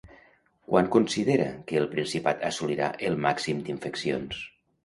Quan considera que el Principat assolirà el màxim d'infeccions?